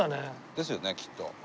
ですよねきっと。